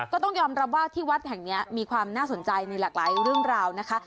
ก็ต้องยอมรับว่าที่วัดแห่งนี้มีความน่าสนใจในหลากหลายเรื่องราวนะคะ